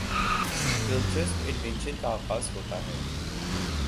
دلچسپ ایڈونچر کا آغاز ہوتا ہے